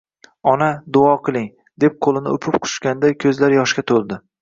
— Ona, duo qiling, — deb qo'lini o'pib quchganda ko'zlar yoshga to'ldi